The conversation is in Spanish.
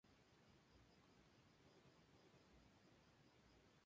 Especialmente se buscaba su resistencia al dolor mediante prácticas de autosacrificio.